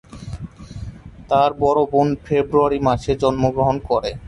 তার বড় বোন ফেব্রুয়ারি মাসে জন্মগ্রহণ করে।